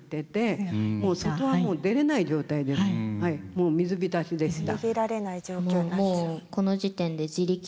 もう水浸しでした。